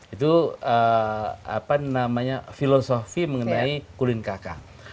itu filosofi mengenai kulin kakak